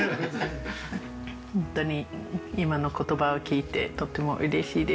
ホントに今の言葉を聞いてとても嬉しいです。